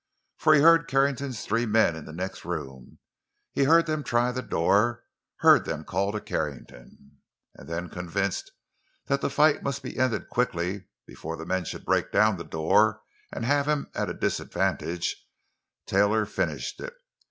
For he heard Carrington's three men in the next room; he heard them try the door; heard them call to Carrington. And then, convinced that the fight must be ended quickly, before the men should break down the door and have him at a disadvantage, Taylor finished it.